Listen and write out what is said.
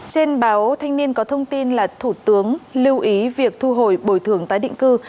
trên báo thanh niên có thông tin là thủ tướng lưu ý việc thu hồi bồi thường tái định cư